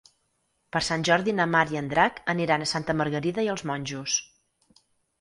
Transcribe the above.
Per Sant Jordi na Mar i en Drac aniran a Santa Margarida i els Monjos.